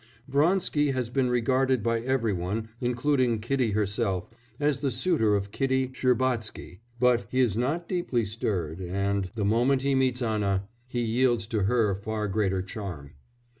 Vronsky has been regarded by everyone, including Kitty herself, as the suitor of Kitty Shcherbatsky, but he is not deeply stirred, and, the moment he meets Anna, he yields to her far greater charm.